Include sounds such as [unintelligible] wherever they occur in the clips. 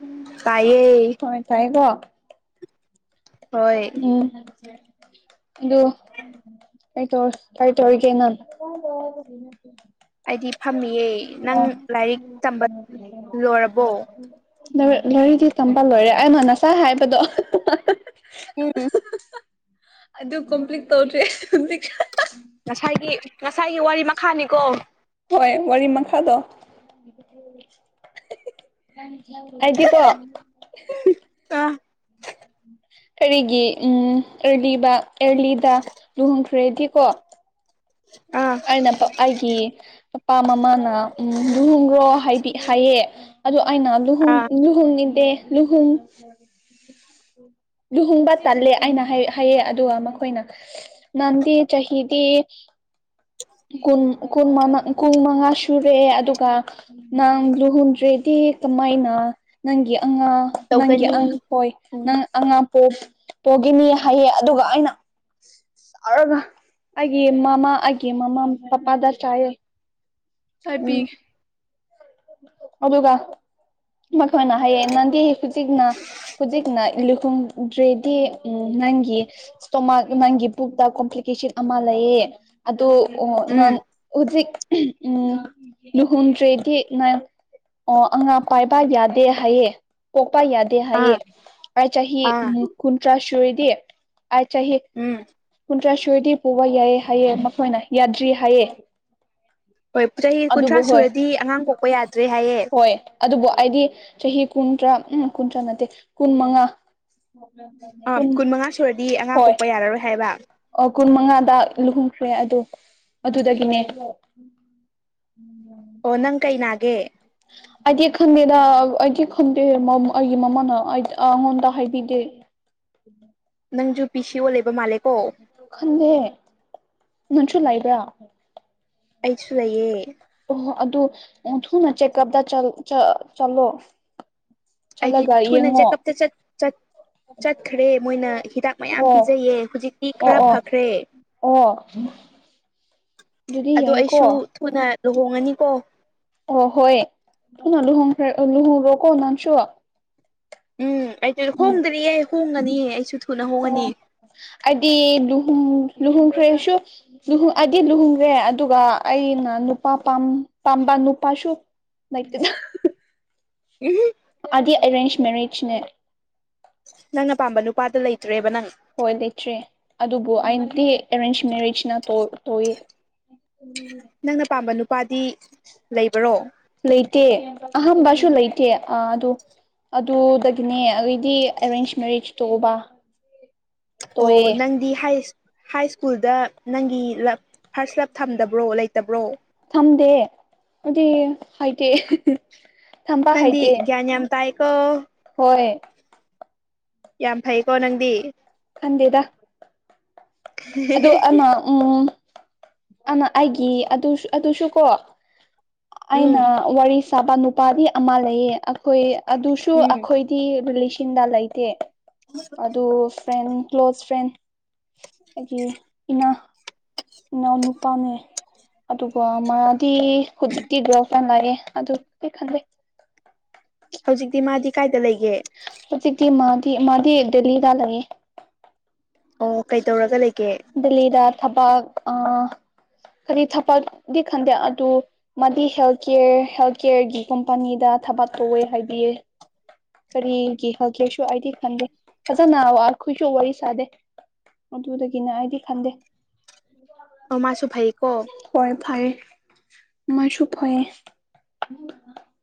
ꯎꯝ ꯇꯥꯏꯌꯦ ꯍꯣꯏ ꯇꯥꯏꯀꯣ ꯍꯣꯏ ꯎꯝ ꯑꯗꯨ ꯀꯩ ꯇꯧ ꯀꯩ ꯇꯧꯔꯤꯒꯦ ꯅꯪ [unintelligible] ꯑꯩꯗꯤ ꯐꯝꯃꯤꯌꯦ ꯅꯪ ꯑꯣ ꯂꯥꯏꯔꯤꯛ ꯇꯝꯕ ꯂꯣꯏꯔꯕꯣ? ꯂꯥꯏꯔꯤꯛ ꯂꯥꯏꯔꯤꯇꯤ ꯇꯝꯕ ꯂꯣꯏꯔꯦ ꯑꯩꯅ ꯅꯁꯥꯏ ꯍꯥꯏꯕꯗꯣ [unintelligible] ꯎꯝ ꯑꯗꯨ ꯀꯝꯄ꯭ꯂꯤꯠ ꯇꯧꯗ꯭ꯔꯦ [unintelligible] ꯉꯁꯥꯏꯒꯤ ꯉꯁꯥꯏꯒꯤ ꯋꯥꯔꯤ ꯃꯈꯥꯅꯤꯀꯣ꯫ ꯍꯣꯏ ꯋꯥꯔꯤ ꯃꯈꯥꯗꯣ ꯍꯥꯏꯗꯤ ꯀꯣ ꯇꯥꯏ ꯀꯔꯤꯒꯤ ꯎꯝ ꯑꯦꯔꯂꯤꯗ ꯑꯦꯔꯂꯤꯗ ꯂꯨꯍꯣꯡꯈ꯭ꯔꯗꯤꯀꯣ ꯑꯥ ꯂꯝꯄꯛꯑꯩꯒꯤ ꯄꯄꯥ ꯃꯃꯥꯅ ꯎꯝ ꯂꯨꯍꯣꯡꯈ꯭ꯔꯣ ꯍꯥꯏꯗꯤ ꯍꯥꯏꯌꯦ ꯑꯗꯨ ꯑꯩꯅ ꯂꯨꯍꯣꯡ ꯑꯥ ꯂꯨꯍꯣꯡꯅꯤꯡꯗꯦ ꯂꯨꯍꯣꯡ ꯂꯨꯍꯣꯡꯕ ꯇꯜꯂꯦ ꯑꯩꯅ ꯍꯥꯏ ꯍꯥꯏꯌꯦ ꯑꯗꯨꯒ ꯃꯈꯣꯏꯅ꯫ ꯅꯟꯗꯤ ꯆꯍꯤꯗꯤ ꯀꯨꯟ ꯀꯨꯟ ꯃꯅꯥ ꯀꯨꯟ ꯃꯉꯥ ꯁꯨꯔꯛꯑꯦ ꯑꯗꯨꯒ ꯅꯪ ꯂꯨꯍꯣꯡꯗ꯭ꯔꯦꯗꯤ ꯀꯃꯥꯏꯅ ꯅꯪꯒꯤ ꯑꯉꯥꯡ꯫ ꯅꯪꯒꯤ ꯇꯧꯒꯅꯤ ꯑꯥ ꯍꯣꯏ ꯎꯝ ꯅꯪ ꯑꯉꯥꯡ ꯄꯣ ꯄꯣꯒꯤꯅꯤ ꯍꯥꯏꯌꯦ ꯑꯗꯨꯒ ꯑꯩꯅ꯫ ꯁꯥꯔꯒ ꯑꯩꯒꯤ ꯃꯃꯥ ꯑꯩꯒꯤ ꯃꯃꯥ ꯄꯥꯄꯥꯗ ꯆꯥꯏꯌꯦ꯫ ꯊꯥꯏꯕꯤ ꯎꯝ ꯑꯗꯨꯒ ꯃꯈꯣꯏꯅ ꯍꯥꯏꯌꯦ ꯅꯟꯗꯤ ꯍꯨꯖꯤꯛꯅ ꯍꯨꯖꯤꯛꯅ ꯂꯨꯈꯣꯡꯗ꯭ꯔꯦꯗꯤ ꯎꯝ ꯅꯪꯒꯤ꯫ ꯏꯁꯇꯣꯃꯥꯛ ꯅꯪꯒꯤ ꯄꯨꯛꯇ ꯀꯣꯝꯄ꯭ꯂꯤꯀꯦꯁꯟ ꯑꯃ ꯂꯩꯌꯦ ꯑꯗꯨ ꯑꯣ ꯎꯝ ꯅꯥꯟ ꯍꯧꯖꯤꯛ ꯎꯝ ꯎꯝ ꯂꯨꯍꯣꯡꯗ꯭ꯔꯦꯗꯤ꯫ ꯅꯪ ꯑꯣ ꯑꯉꯥꯡ ꯄꯥꯏꯕ ꯌꯥꯗꯦ ꯍꯥꯏꯌꯦ ꯄꯣꯛꯄ ꯌꯥꯗꯦ ꯑꯥ ꯍꯥꯏꯌꯦ꯫ ꯑꯩ ꯆꯍꯤ ꯑꯥ ꯎꯝ ꯀꯨꯟꯊꯔꯥ ꯁꯨꯔꯗꯤ ꯑꯥꯏ ꯆꯍꯤ ꯎꯝ ꯀꯨꯟꯇꯊꯔꯥ ꯁꯨꯔꯗꯤ ꯄꯣꯕ ꯌꯥꯏꯑꯦ ꯍꯥꯏꯌꯦ ꯃꯈꯣꯏꯅ ꯌꯥꯗ꯭ꯔꯤ ꯍꯥꯏꯑꯦ ꯍꯣꯏ ꯆꯍꯤ ꯀꯨꯟꯊ꯭ꯔꯥ ꯍꯣꯏ ꯁꯨꯔꯗꯤ ꯑꯉꯥꯡ ꯄꯣꯛꯄ ꯌꯥꯗ꯭ꯔꯦ ꯍꯥꯏꯌꯦ꯫ ꯍꯣꯏ ꯑꯗꯨꯕꯨ ꯑꯩꯗꯤ ꯆꯍꯤ ꯀꯨꯟ ꯇ꯭ꯔꯥ ꯎꯝ ꯀꯨꯟꯊ꯭ꯔꯥ ꯅꯠꯇꯦ ꯀꯨꯟ ꯃꯉꯥ꯫ ꯑ ꯀꯨꯟ ꯃꯉꯥ ꯁꯨꯔꯗꯤ ꯑꯉꯥꯡ ꯄꯣꯛꯄ ꯌꯥꯔꯔꯣꯏ ꯍꯥꯏꯕ꯫ ꯑꯣ ꯀꯨꯟ ꯃꯉꯥꯗ ꯂꯨꯍꯣꯡꯈ꯭ꯔꯦ ꯑꯗꯣ ꯑꯗꯨꯗꯒꯤꯅꯦ꯫ [inaudible] ꯑꯣ ꯅꯪ ꯀꯩ ꯅꯥꯒꯦ꯫ ꯑꯩꯗꯤ ꯈꯪꯗꯦꯗ ꯑꯩꯗꯤ ꯈꯪꯗꯦ ꯃꯝ ꯑꯥ ꯑꯩꯒꯤ ꯃꯃꯥꯅ ꯑꯩ ꯑꯉꯣꯟꯗ ꯍꯥꯏꯕꯤꯗꯦ꯫ ꯅꯪꯖꯨ ꯄꯤ ꯁꯤ ꯑꯣ ꯂꯩꯕ ꯃꯥꯜꯂꯦꯀꯣ꯫ ꯈꯟꯗꯦ ꯅꯪꯁꯨ ꯂꯩꯥꯕ꯭ꯔꯥ꯫ ꯑꯩꯁꯨ ꯂꯩꯌꯦ꯫ ꯑꯣꯍꯣ ꯑꯗꯨ ꯅꯪ ꯊꯨꯅ ꯆꯦꯛꯀꯞꯇ ꯆꯜ ꯆ ꯆꯂꯣ ꯑꯩꯗꯤ ꯊꯨꯅ ꯆꯦꯛꯀꯞꯇ ꯆꯠ ꯆꯠ ꯆꯠꯈ꯭ꯔꯦ ꯃꯣꯏꯅ ꯍꯤꯗꯥꯛ ꯃꯌꯥꯝ ꯑꯣ ꯄꯤꯖꯩꯌꯦ ꯍꯨꯖꯤꯛꯇꯤ ꯑꯣ ꯈꯔ ꯑꯣ ꯐꯈ꯭ꯔꯦ꯫ ꯑꯣ꯫ ꯑꯗꯨꯗꯤ ꯑꯗꯣ ꯑꯩꯁꯨ ꯌꯥꯏꯌꯦꯀꯣ ꯊꯨꯅ ꯂꯨꯍꯣꯡꯉꯅꯤꯀꯣ꯫ ꯑꯣ ꯍꯣꯏ ꯊꯨꯅ ꯂꯨꯍꯣꯡꯈꯔ ꯑꯥ ꯂꯨꯍꯣꯡꯈꯔꯣꯀꯣ ꯅꯪꯁꯨ ꯎꯝ ꯑꯩꯇꯨ ꯎꯝ ꯍꯣꯡꯗ꯭ꯔꯤꯌꯦ ꯍꯣꯡꯉꯅꯤꯌꯦ ꯑꯩꯁꯨ ꯊꯨ ꯑꯣ ꯑꯩꯗꯤ ꯂꯨꯍꯣꯡ ꯂꯨꯍꯣꯡꯈ꯭ꯔꯦꯁꯨ ꯂꯨꯍꯣ ꯑꯩꯗꯤ ꯂꯨꯍꯣꯡꯈ꯭ꯔꯦ ꯑꯗꯨꯒ ꯑꯩꯅ ꯅꯨꯄꯥ ꯄꯥꯝ ꯄꯥꯝꯕ ꯅꯨꯄꯥꯁꯨ ꯂꯩꯏꯇꯦ ꯎꯝꯍꯨꯝ꯫ ꯃꯥꯗꯤ ꯑꯦꯔꯦꯟꯖ ꯃꯦꯔꯦꯖꯅꯦ꯫ ꯅꯪꯅ ꯑꯄꯥꯝꯕ ꯅꯨꯄꯥꯗ ꯂꯩꯇ꯭ꯔꯦꯕ ꯅꯪ꯫ ꯍꯣꯏ ꯂꯩꯇ꯭ꯔꯦ ꯑꯗꯨꯕꯨ ꯑꯩꯅꯗꯤ ꯑꯦꯔꯦꯟꯖ ꯃꯦꯔꯦꯖꯅ ꯇꯣ ꯇꯣꯋꯦ ꯅꯪꯅ ꯄꯥꯝꯕ ꯅꯨꯄꯥꯗꯤ ꯂꯩꯕ꯭ꯔꯣ꯫ ꯂꯩꯇꯦ ꯑꯍꯝꯕꯁꯨ ꯂꯩꯇꯦ ꯑ ꯑꯗꯨ ꯑꯗꯨꯗꯒꯤꯅꯦ ꯑꯩꯩꯗꯤ ꯑꯦꯔꯦꯟꯖ ꯃꯦꯔꯤꯖ ꯇꯣꯕ ꯑꯣ ꯅꯪꯗꯤ ꯍꯥꯏꯔꯤꯁ ꯍꯥꯏ ꯁ꯭ꯀꯨꯜꯗ ꯅꯪꯒꯤ ꯂꯐ ꯐꯥꯔꯁ ꯂꯞ ꯊꯝꯗꯕ꯭ꯔꯣ ꯂꯩꯇꯕ꯭ꯔꯣ꯫ ꯊꯝꯗꯦ ꯑꯩꯗꯤ ꯍꯥꯏꯗꯦ꯫ ꯅꯪꯗꯤ ꯒ꯭ꯌꯥꯟ ꯌꯥꯝ ꯇꯥꯏꯀꯣ꯫ ꯍꯣꯏ ꯌꯥꯝ ꯐꯩꯀꯣ ꯅꯪꯗꯤ ꯈꯟꯗꯦꯗ ꯑꯗꯨ ꯑꯅꯥ ꯎꯝ ꯑꯅ ꯑꯩꯒꯤ ꯑꯗꯨꯁꯨ ꯑꯗꯨꯁꯨꯀꯣ ꯎꯝ ꯑꯩꯅ ꯋꯥꯔꯤ ꯁꯥꯕ ꯅꯨꯄꯥꯗꯤ ꯑꯃ ꯂꯩꯌꯦ ꯑꯩꯈꯣꯏ ꯑꯗꯨꯁꯨ ꯎꯝ ꯑꯩꯈꯣꯏꯗꯤ ꯔꯤꯂꯦꯁꯟꯗ ꯂꯩꯇꯦ ꯍꯣꯏꯕ ꯑꯗꯨ ꯐ꯭ꯔꯦꯟ ꯀ꯭ꯂꯣꯁ ꯐ꯭ꯔꯦꯟ ꯍꯥꯏꯗꯒꯤ ꯏꯅ ꯏꯅꯥꯎ ꯅꯨꯄꯥꯅꯦ ꯑꯗꯨꯒ ꯃꯥꯗꯤ ꯍꯧꯖꯤꯛꯇꯤ ꯗ꯭ꯔꯣꯥꯟ ꯂꯥꯛꯑꯦ ꯑꯗꯨ ꯀ ꯈꯟꯗꯦ ꯍꯧꯖꯤꯛꯇꯤ ꯃꯥꯗꯤ ꯀꯥꯏꯗ ꯂꯩꯒꯦ ꯍꯧꯖꯤꯗꯤ ꯃꯥꯗꯤ ꯃꯥꯗꯤ ꯗꯦꯜꯂꯤꯗꯂꯌꯦ ꯑꯣ ꯀꯩ ꯇꯧꯔꯒ ꯂꯩꯒꯦ ꯗꯦꯜꯂꯤꯗ ꯊꯕꯛ ꯑ ꯀꯔꯤ ꯊꯕꯛꯗꯤ ꯈꯟꯗꯦ ꯑꯗꯨ ꯃꯥꯗꯤ ꯍꯦꯜ ꯀꯦꯌꯔ ꯍꯦꯜ ꯀꯦꯌꯔꯒꯤ ꯀꯝꯄꯅꯤꯗ ꯊꯕꯛ ꯇꯧꯋꯦ ꯍꯥꯏꯕꯤꯌꯦ ꯀꯔꯤꯒꯤ ꯍꯜꯒꯦꯁꯨ ꯍꯥꯏꯗꯤ ꯈꯟꯗꯦ ꯐꯖꯅ ꯋꯥ ꯑꯩꯈꯣꯏꯁꯨ ꯋꯥꯔꯤ ꯁꯥꯗꯦ ꯑꯗꯨꯗꯒꯤꯅꯦ ꯑꯩꯗꯤ ꯈꯟꯗꯦ ꯑ ꯃꯥꯁꯨ ꯐꯥꯏꯀꯣ ꯍꯣꯏ ꯐꯩꯌꯦ ꯃꫭꯏꯁꯨ ꯐꯩꯌꯦ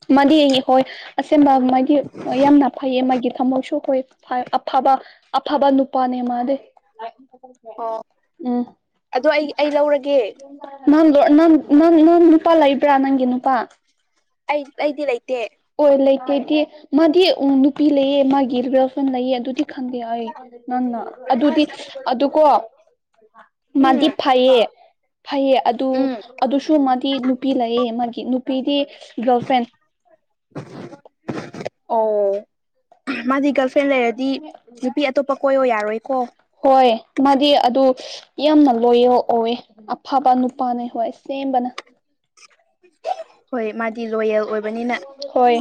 ꯃꯗꯤ ꯍꯣꯏ ꯑꯁꯦꯡꯕ ꯃꯥꯒꯤ ꯌꯥꯝꯅ ꯐꯩꯌꯦ ꯃꯥꯒꯤ ꯊꯃꯣꯏꯁꯨ ꯍ ꯑꯐꯕ ꯑꯐꯥꯕ ꯅꯨꯄꯥꯅꯦ ꯃꯥꯗꯏ ꯑꫭ ꯎꯝ ꯑꯗꯣ ꯑꯩ ꯑꯩ ꯂꯧꯔꯒꯦ ꯅꯪ ꯂ‌ꯣꯔ꯭ꯠ ꯅꯪ ꯅꯪ ꯅꯪ ꯅꯨꯄꯥ ꯂꯩꯕ꯭ꯔꯥ ꯅꯪꯒꯤ ꯅꯨꯄꯥ ꯑꯩ ꯑꯩꯗꯤ ꯂꯩꯇꯦ ꯍꯣꯏ ꯂꯩꯇꯦꯗꯤ ꯃꯥꯗꯤ ꯎꯝ ꯅꯨꯄꯤ ꯂꯩꯌꯦ ꯃꯥꯒꯤ ꯒꯔꯜ ꯐ꯭ꯔꯦꯟ ꯂꯩꯌꯦ ꯑꯗꯨꯗꯤ ꯈꯪꯗꯦ ꯍꯥꯏ ꯅꯪ ꯅ ꯑꯗꯨꯗꯤ ꯑꯁ ꯑꯗꯨꯀꯣ ꯎꯝ ꯃꯥꯗꯤ ꯐꯩꯌꯦ ꯐꯩꯌꯦ ꯑꯗꯨ ꯎꯝ ꯑꯗꯨꯁꯨ ꯃꯥꯗꯤ ꯅꯨꯄꯤ ꯂꯩꯌꯦ ꯃꯥꯒꯤ ꯅꯨꯄꯤꯗꯤ ꯒꯥꯔꯜ ꯐ꯭ꯔꯦꯟ ꯑꯣ ꯃꯥꯗꯤ ꯒꯥꯜ ꯐꯦꯟ ꯂꯩꯔꯗꯤ ꯅꯨꯄꯤ ꯑꯇꯣꯞꯄ ꯀꯣꯏꯌꯣ ꯌꯥꯔꯣꯏꯀꯣ ꯍꯣꯏ ꯃꯥꯗꯤ ꯑꯗꯨ ꯌꯥꯝꯅ ꯂꯣꯌꯦꯜ ꯑꯣꯏ ꯑꯐꯕ ꯅꯨꯄꯥꯅ ꯍꯣꯏ ꯁꯦꯝꯕꯅ ꯍꯣꯏ ꯃꯥꯗꯤ ꯂꯣꯌꯦꯜ ꯑꯣꯏꯕꯅꯤꯅ ꯍꯣꯏ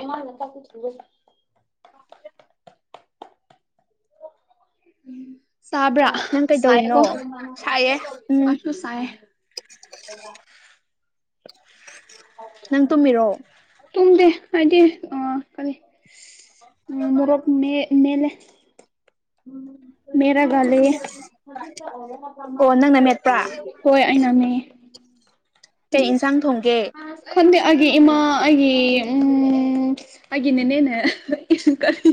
ꯁꯥꯕ꯭ꯔꯥ ꯅꯪ ꯀꯩꯗꯧꯔꯤꯅꯣ ꯁꯥꯏꯀꫭ ꯁꯥꯏꯌꯦ ꯎꯝ [unintelligible] ꯇꯥꯏꯌꯦ ꯅꯪ ꯇꯨꯝꯃꯤꯔꯣ ꯇꯨꯝꯗꯦ ꯑꯩꯗꯤ ꯀꯔꯤ ꯎꯝ ꯃꯣꯔꯣꯛ ꯃꯦꯜꯂꯦ ꯃꯦꯠꯂꯒ ꯂꯩꯌꯦ ꯑꯣ ꯅꯪꯅ ꯃꯦꯠꯄ꯭ꯔꯥ ꯍꯣꯏ ꯑꯩꯅꯅꯦ ꯀꯩ ꯏꯟꯁꯥꯡ ꯊꯣꯡꯒꯦ ꯈꯪꯗꯦ ꯑꯩꯒꯤ ꯏꯃꯥ ꯑꯩꯒꯤ ꯎꯝ ꯑꯩꯒꯤ ꯅꯦꯅꯦꯅ‌ꯦ ꯏꯁꯤꯡ ꯀꯔꯤ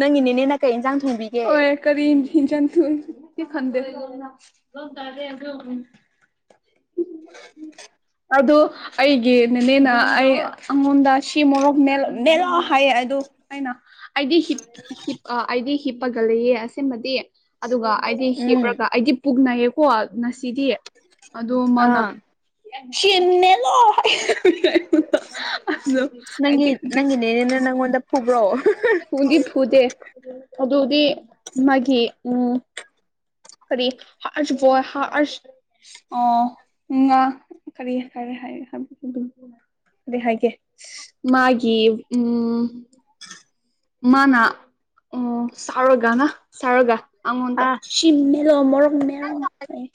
ꯅꯪꯒꯤꯅꯦꯅꯦꯅ ꯀꯩ ꯏꯟꯖꯥꯡ ꯊꯣꯡꯕꯤꯒꯦ ꯍꯣꯏ ꯀꯔꯤ ꯏꯟꯖꯥꯡ ꯊꫭꯡ ꯉꯤ ꯈꯪꯗꯔꯦ [unintelligible] [unintelligible] ꯑꯗꯨ ꯑꯩꯒꯤ ꯅꯦꯅꯦꯅ ꯑꯩ ꯑꯩꯉꯣꯟꯗ ꯁꯤ ꯃꯣꯔꯣꯛ ꯃꯦꯂꫭ ꯍꯥꯏꯌꯦ ꯑꯗꯨ ꯑꯩꯅ ꯑꯥꯏꯗꯤ ꯍꯤꯠ ꯍꯤꯠ ꯑ ꯑꯩꯗꯤ ꯍꯤꯞꯄꯒ ꯂꯩꯌꯦ ꯑꯁꯕꯗꯤ ꯑꯗꯨꯒ ꯑꯩꯗꯤ ꯎꯝ ꯍꯤꯞꯔꯒ ꯑꯩꯗꯤ ꯄꯨꯛꯅꯩꯌꯦꯀꯣ ꯉꯁꯤꯗꯤ ꯑꯗꯨ ꯃꯥꯅ ꯑꯥ [unintelligible] ꯅꯪꯒꯤ ꯑꯩꯗꯤ ꯍꯧꯖꯤꯛ ꯅꯪꯒꯤꯅꯦꯅꯦꯅ ꯅꯪꯉꯣꯟꯗ ꯐꯨꯕ꯭ꯔꯣ ꯐꯨꯗꯤ ꯐꯨꯗꯦ ꯑꯗꯨꯗꯤ ꯃꯥꯒꯤ ꯎꯝ [unintelligible] ꯑꯣ ꯎ ꯉꯥ ꯀꯔꯤ ꯍꯥꯏꯔꯦ ꯍꯥꯏꯔꯦ ꯍꯥꯏꯕ ꯑꯗꯨꯝ ꯑꯗꯨꯗ ꯍꯥꯏꯒꯦ ꯃꯥꯒꯤ ꯎꯝ ꯃꯥꯅꯥ ꯑꯣ ꯁꯥꯎꯔꯒꯅ ꯁꯥꯎꯔꯒ ꯑꯩꯉꯣꯟꯗ ꯑꯥ [unintelligible]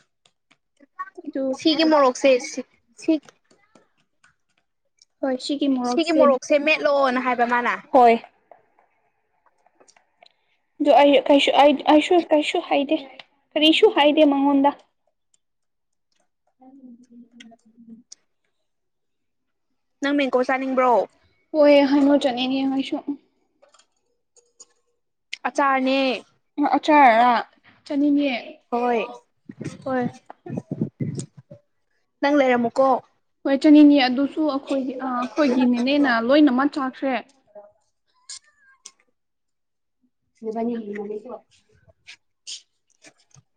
ꯑꯗꯨ ꯁꯤꯒꯤ ꯃꯣꯔꯣꯛꯁꯦ ꯁꯤ ꯍꯣꯏ ꯁꯤꯒꯤ ꯃꯣꯔꯣꯛꯁꯦ ꯃꯦꯠꯂꯣꯅ ꯍꯥꯏꯕ ꯃꯥꯅ ꯍꯣꯏ ꯑꯗꯨ ꯑꯩꯁꯨ ꯀꯩꯁꯨ ꯍꯥꯏꯗꯦ ꯀꯔꯤꯁꯨ ꯍꯥꯏꯗꯦ ꯃꯉꯣꯟꯗ [unintelligible] ꯅꯪ ꯃꯦꯡꯀꯣ ꯆꯥꯅꯤꯡꯕ꯭ꯔꯣ ꯍꯣꯏꯑꯦ ꯍꯥꯏꯉꯣ ꯆꯠꯅꯤꯡꯅꯦ ꯍꯥꯏꯁꯨ ꯑꯆꯥꯅꯦ ꯑꯆꯥꯔꯔꯥ ꯆꯥꯅꯤꯡꯉꯦ ꯍꯣꯏ ꯍꯣꯏ ꯅꯪ ꯂꯩꯔꯝꯃꯣꯀꯣ ꯍꯣꯏ ꯆꯠꯅꯤꯡꯏ ꯑꯗꯨꯁꯨ ꯑꯩꯈꯣꯏꯒꯤ ꯑꯩꯈꯣꯏꯒꯤ ꯅꯤꯅꯦꯅ ꯂꯣꯏꯅꯃꯛ ꯆꯥꯛꯈ꯭ꯔꯦ [unintelligible] [unintelligible]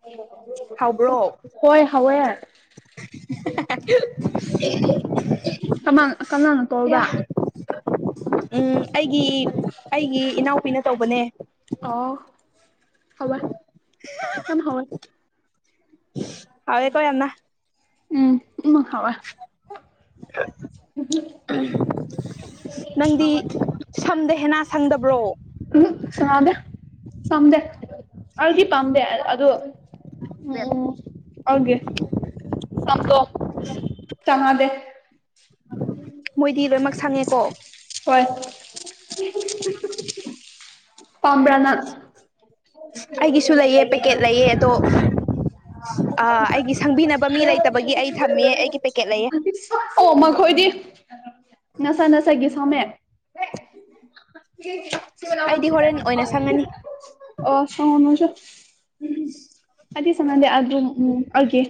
ꯍꯥꯎꯕ꯭ꯔꯣ ꯍꯣꯏ ꯍꯥꯎꯑ [unintelligible] ꯀꯃꯥꯟ ꯀꯅꯥꯅ ꯇꯧꯕ꯭ꯔꯥ ꯑꯌꯥ ꯎꯝ ꯑꯩꯒꯤ ꯑꯩꯒꯤ ꯏꯅꯥꯎꯄꯤꯅ ꯇꯧꯕꯅꯦ ꯑꯣ ꯍꯥꯎꯕꯔꯥ ꯌꯥꯝ ꯍꯥꯎꯑ [unintelligible] ꯎꯝ ꯎꯝ ꯍꯥꯎꯏ [unintelligible] ꯅꯪꯗꯤ ꯁꯝꯗ ꯍꯦꯟꯅ ꯁꯪꯗꯕ꯭ꯔꯣ ꯎꯝ ꯁꯥꯅꯗꯦ ꯁꯝꯗꯦ ꯑꯩꯗꯤ ꯑꯦ ꯄꯥꯝꯗꯦ ꯑꯗꯨ ꯔꯦꯠ [unintelligible] ꯃꯣꯏꯗꯤ ꯂꯣꯏꯅꯃꯛ ꯁꯪꯉꯦꯀꯣ ꯍꯣꯏ [unintelligible] ꯄꯝꯕꯔꯥ ꯅꯪ ꯑꯩꯒꯤꯁꯨ ꯂꯩꯑ ꯄꯦꯀꯦꯠ ꯂꯩꯑ ꯑꯗꯣ ꯑꯩꯒꯤ ꯁꯪꯕꯤꯅꯕ ꯃꯤ ꯂꯩꯇꯕꯒꯤ ꯑꯩ ꯊꯝꯃꯦ ꯑꯩꯒꯤ ꯄꯦꯀꯦꯠ ꯂꯩꯌꯦ [unintelligible] ꯑꯣ ꯃꯈꯣꯏꯗꯤ ꯅꯁꯥ ꯅꯁꯥꯏꯒꯤ ꯁꯥꯃꯦ [unintelligible] ꯑꯩꯗꯤ ꯍꯣꯔꯦꯟ ꯑꯣꯏꯅ ꯁꯪꯉꯅꯤ ꯑꯣ [unintelligible] ꯎꯝ ꯍꯥꯏꯗꯤ ꯁꯃꯗꯦ ꯑꯗꯨꯝ ꯎꯝ ꯑꯗꯨꯒꯦ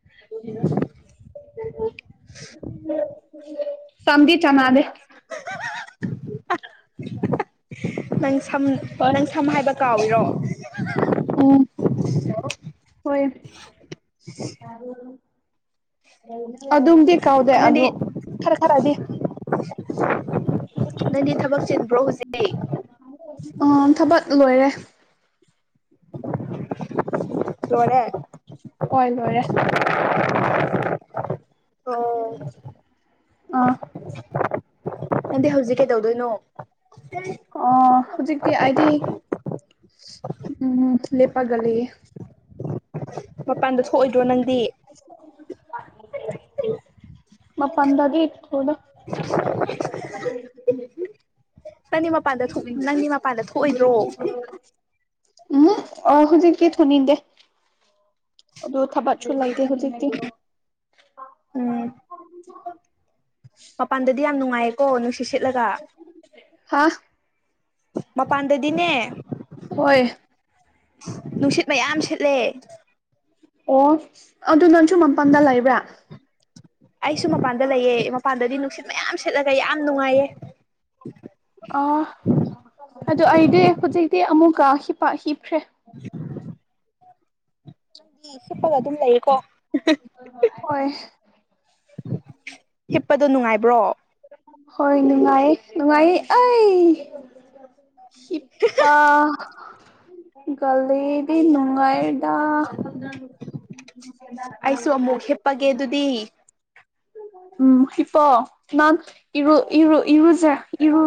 [unintelligible] ꯆꯥꯝꯗꯤ ꯆꯅꯥꯗꯦ [unintelligible] ꯅꯪ ꯁꯝ ꯍꯣꯏ ꯅꯪ ꯁꯝ ꯍꯥꯏꯕ ꯀꯥꯎꯏꯔꯣ ꯎꯝ ꯍꯣꯏ ꯑꯗꯨꯝꯗꯤ ꯀꯥꯎꯗꯦ ꯅꯪꯗꯤ ꯑꯗꯨꯝ ꯈꯔ ꯈꯔꯗꯤ ꯅꯪꯗꯤ ꯊꯕꯛ ꯆꯤꯟꯕ꯭ꯔꯣ ꯍꯧꯖꯤꯛ ꯑꯣ ꯊꯕꯛ ꯂꯣꯏꯔꯦ ꯂꯣꯏꯔꯦ ꯍꯣꯏ ꯂꯣꯏꯔꯦ ꯑꯣ ꯑꯥ ꯅꯪꯗꯤ ꯍꯧꯖꯤꯛ ꯀꯩꯗꯧꯗꯣꯏꯅꯣ ꯑꯣ ꯍꯧꯖꯤꯛꯇꯤ ꯑꯩꯗꯤ ꯎꯝ ꯂꯦꯞꯄꯒ ꯂꯩꯌꯦ ꯃꯄꯥꯟꯗ ꯊꯣꯛꯑꯣꯏꯗ꯭ꯔꯣ ꯅꯪꯗꯤ ꯃꯄꯟꯗꯗꯤ ꯊꯣꯑꯣꯏꯗ ꯅꯪꯗꯤ ꯃꯄꯥꯟꯗ ꯊꯣꯛꯅꯤꯡ ꯅꯪꯗꯤ ꯃꯄꯥꯟꯗ ꯊꯣꯛꯑꯣꯏꯗ꯭ꯔꯣ ꯎꯝꯍꯨꯞ ꯑꯣ ꯍꯨꯖꯤꯛꯇꯤ ꯊꯣꯛꯅꯤꯡꯗꯦ ꯑꯗꯨ ꯊꯕꯠ ꯁꯨ ꯂꯩꯥꯇꯦ ꯍꯧꯖꯤꯛꯗꯤ ꯎꯝ ꯃꯄꯥꯟꯗꯗꯤ ꯌꯥꯝ ꯅꯨꯡꯉꯥꯏꯌꯦꯀꯣ ꯅꯨꯡꯁꯤꯠ ꯁꯤꯠꯂꯒ ꯍꯥꯥ ꯃꯄꯥꯟꯗꯗꯤꯅꯦ ꯍꯣꯏ ꯅꯨꯡꯁꯤꯠ ꯃꯌꯥꯝ ꯁꯤꯠꯂꯦ ꯑꯣ ꯑꯗꯨ ꯅꯪꯁꯨ ꯃꯄꯥꯟꯗ ꯂꯩꯕ꯭ꯔꯥ ꯑꯩꯁꯨ ꯃꯄꯥꯟꯗ ꯂꯩꯌꯦ ꯃꯄꯥꯟꯗꯗꯤ ꯅꯨꯡꯁꯤꯠ ꯃꯌꯥꯝ ꯁꯤꯠꯂꯒ ꯌꯥꯝ ꯅꯨꯡꯉꯥꯏꯌꯦ ꯑꯣ ꯑꯗꯨ ꯑꯩꯗꯤ ꯍꯧꯖꯤꯛꯇꯤ ꯑꯃꯨꯛꯀ ꯍꯤꯞꯄ ꯍꯤꯞꯈ꯭ꯔꯦ ꯅꯪꯗꯤ ꯍꯤꯞꯄꯒ ꯑꯗꯨꯝ ꯂꯩꯌꯦꯀꯣ [unintelligible] ꯍꯣꯏ ꯍꯤꯞꯄꯗꯣ ꯅꯨꯡꯉꯥꯏꯕ꯭ꯔꯣ ꯍꯣꯏ ꯅꯨꯡꯉꯥꯏꯌꯦ ꯅꯨꯡꯉꯥꯏꯌꯦ ꯑꯩ ꯍꯤꯞꯄ ꯒꯂꯩꯔꯗꯤ ꯅꯨꯡꯉꯥꯏꯔ [unintelligible] ꯄꯒꯦ ꯑꯗꯨꯗꯤ ꯎꯝ ꯍꯤꯞꯄꯣ ꯅꯥꯟ ꯏꯔꯨ ꯏꯔꯨ ꯏꯔꯨꯖꯥ ꯏꯔꯨ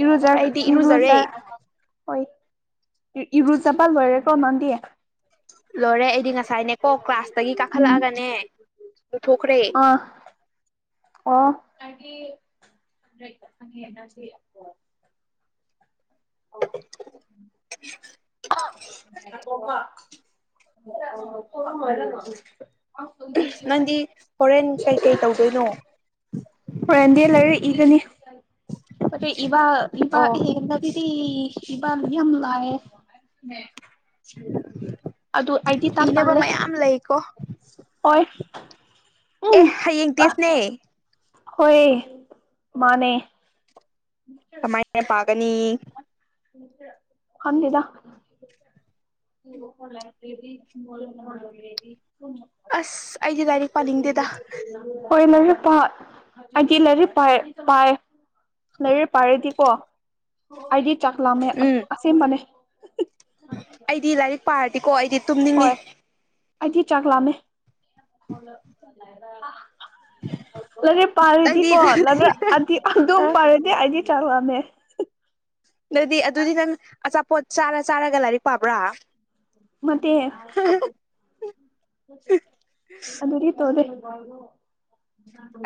ꯏꯔꯨꯖꯥ ꯑꯩꯗꯤ ꯏꯔꯨꯖꯔꯦ ꯏꯔꯨꯖꯥ ꯍꯣꯏ ꯏꯔꯨꯖꯕꯥ ꯂꯣꯏꯔꯦꯀꯣ ꯅꯪꯗꯤ ꯂꯣꯏꯔꯦ ꯑꯩꯗꯤ ꯉꯁꯥꯏꯅꯦꯀꯣ ꯀ꯭ꯂꯥꯁꯇꯒꯤ ꯎꯝ ꯀꯥꯈꯠꯂꯛꯑꯒꯅꯦ ꯂꯨꯊꯣꯛꯈ꯭ꯔꯦ ꯑꯥ ꯑꯣ [unintelligible] [unintelligible] [unintelligible] ꯅꯪꯗꯤ ꯍꯣꯔꯦꯟ ꯀꯩꯀꯩ ꯇꯧꯗꯣꯏꯅꯣ ꯍꯣꯔꯦꯟꯗꯤ ꯂꯥꯏꯔꯤꯛ ꯏꯒꯅꯤ ꯂꯥꯏꯔꯤꯛ ꯏꯕ ꯏꯕ ꯑꯣ ꯍꯦꯟꯂꯗꯨꯗꯤ ꯏꯕꯝ ꯌꯥꯝ ꯂꯥꯛꯑꯦ ꯑꯗꯨ ꯑꯩꯗꯤ ꯇꯥꯛ ꯏꯅꯕ ꯇꯜꯂꯦ ꯃꯌꯥꯝ ꯂꯩꯀꯣ ꯑꯣꯏ ꯑꯦ ꯍꯌꯦꯡ ꯇꯦꯁꯅꯦ ꯍꯣꯏ ꯃꯥꯅꯦ ꯀꯃꯥꯏꯅ ꯄꯥꯒꯅꯤ ꯈꯟꯗꯦꯗ [unintelligible] ꯑꯁ ꯑꯩꯗꯤ ꯂꯥꯏꯔꯤꯛ ꯄꯥꯅꯤꯡꯗꯦꯗ ꯍꯣꯏ ꯂꯥꯏꯔꯤꯛ ꯄꯥ ꯑꯩꯗꯤ ꯂꯥꯏꯔꯤꯛ ꯄꯥꯏ ꯄꯥꯏ ꯂꯥꯏꯔꯤꯛ ꯄꯥꯔꯗꯤꯀꯣ ꯑꯩꯗꯤ ꯆꯥꯛ ꯂꯥꯝꯃꯦ ꯎꯝ ꯑꯁꯦꯡꯕꯅꯦ ꯑꯩꯗꯤ ꯂꯥꯏꯔꯤꯛ ꯄꯥꯔꯗꯤꯀꯣ ꯑꯩꯗꯤ ꯇꯨꯝꯅꯤꯡꯉꯦ ꯍꯣꯏ ꯑꯩꯗꯤ ꯆꯥꯛ ꯂꯥꯝꯃꯦ [unintelligible] ꯂꯥꯏꯔꯤꯛ ꯅꯪꯗꯤ ꯄꯥꯔꯗꯤꯀꯣ ꯂꯥꯏꯔꯤꯛ ꯑꯗꯤ ꯑꯗꯨꯝ ꯄꯥꯔꯗꯤ ꯑꯩꯗꯤ ꯆꯥꯛ ꯂꯥꯝꯃꯦ ꯑꯗꯨꯗꯤ ꯑꯗꯨꯗꯤ ꯅꯪ ꯆꯥꯔ ꯆꯥꯔꯒ ꯂꯥꯏꯔꯤꯛ ꯄꯥꯕ꯭ꯔꯥ ꯃ ꯑꯗꯨ ꯇꯣꯗꯦ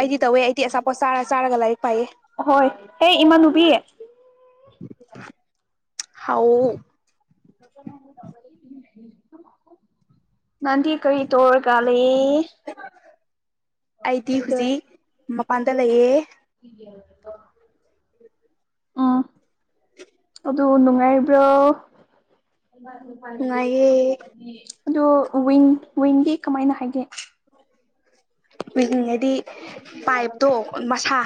ꯑꯩꯗꯤ ꯇꯧꯋꯦ ꯑꯩꯗꯤ ꯑꯆꯥꯄꯣꯠ ꯆꯥꯔ ꯆꯥꯔꯒ ꯂꯥꯏꯔꯤꯛ ꯄꯥꯏꯌꯦ ꯍꯣꯏ ꯍꯦ ꯏꯃꯥꯟꯅꯨꯕꯤ ꯍꯥꯎ ꯉꯗꯤ ꯀꯔꯤ ꯇꯔꯒꯜꯂꯤꯦ ꯑꯩꯗꯤ ꯍꯧꯖꯤꯛ ꯃꯄꯥꯟꯗ ꯂꯩꯌꯦ ꯑꯥ ꯑꯗꯨ ꯅꯨꯡꯉꯥꯏꯕ꯭ꯔꯣ ꯅꯨꯡꯉꯥꯏꯌꯦ ꯑꯗꯣ ꯋꯤꯟ ꯋꯤꯟꯗꯤ ꯀꯃꯥꯏꯅ ꯍꯥꯏꯒꯦ ꯄꯉꯗꯤ ꯄꯥꯏꯞꯇꯣ ꯃꯁꯥ